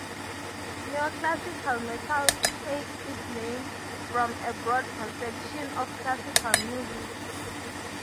Neoclassical metal takes its name from a broad conception of classical music.